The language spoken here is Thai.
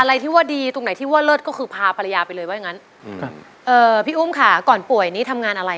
อะไรที่ว่าดีตรงไหนที่ว่าเลิศก็ซึ่งพาภรรยาไปเลยว่าอย่างนั้น